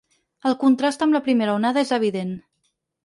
El contrast amb la primera onada és evident.